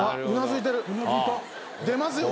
うなずいてる。